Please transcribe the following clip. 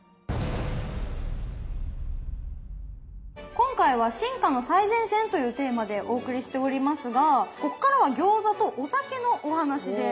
今回は「進化の最前線」というテーマでお送りしておりますがここからは餃子とお酒のお話です。